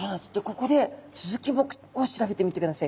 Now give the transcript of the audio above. ここでスズキ目を調べてみてください。